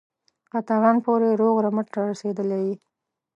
قطغن پوري روغ رمټ را رسېدلی یې.